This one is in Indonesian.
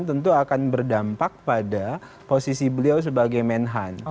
tentu akan berdampak pada posisi beliau sebagai menhan